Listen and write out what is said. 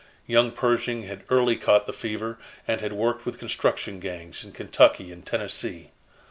Young Pershing had early caught the fever, and had worked with construction gangs in Kentucky and Tennessee.